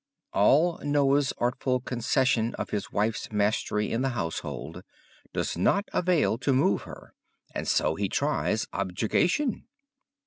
All Noah's artful concession of his wife's mastery in the household does not avail to move her and so he tries objurgation.